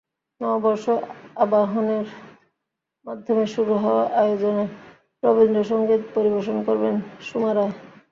নববর্ষ আবাহনের মাধ্যমে শুরু হওয়া আয়োজনে রবীন্দ্রসংগীত পরিবেশন করবেন সুমা রায়।